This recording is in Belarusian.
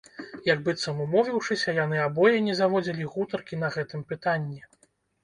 Як быццам умовіўшыся, яны абое не заводзілі гутаркі на гэтым пытанні.